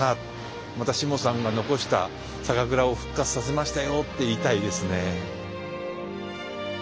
またしもさんが残した酒蔵を復活させましたよって言いたいですね。